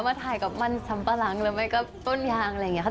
มาถ่ายกับมันสัมปะหลังหรือไม่กับต้นยางอะไรอย่างนี้ค่ะ